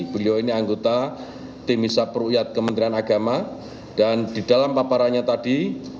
beliau ini anggota tim hisap ruqyat kementerian agama dan di dalam paparannya tadi